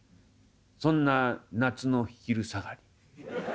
そんな夏の昼下がり。